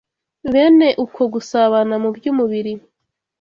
Bene uko gusabana mu by’umubiri